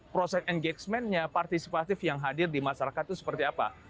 proses engagementnya partisipatif yang hadir di masyarakat itu seperti apa